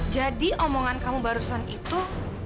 jadi omongan kamu barusan itu